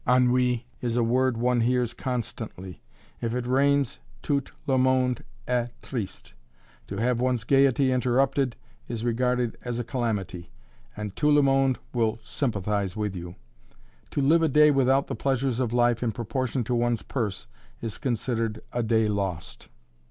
Ennui is a word one hears constantly; if it rains toute le monde est triste. To have one's gaiety interrupted is regarded as a calamity, and "tout le monde" will sympathize with you. To live a day without the pleasures of life in proportion to one's purse is considered a day lost.